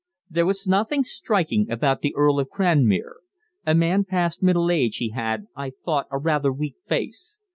There was nothing striking about the Earl of Cranmere. A man past middle age, he had, I thought a rather weak face.